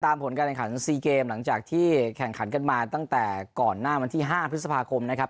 ผลการแข่งขัน๔เกมหลังจากที่แข่งขันกันมาตั้งแต่ก่อนหน้าวันที่๕พฤษภาคมนะครับ